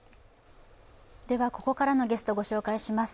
では、ここからのゲストをご紹介します。